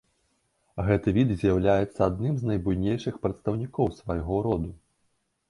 Гэты від з'яўляецца адным з найбуйнейшых прадстаўнікоў свайго роду.